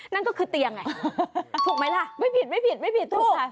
นั่นก็คือเตียงไงถูกไหมล่ะไม่ผิดถูกค่ะ